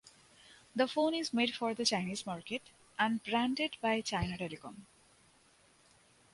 The phone is made for the Chinese market and branded by China Telecom.